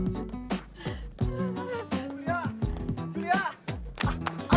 sebib yang lain pake ketawa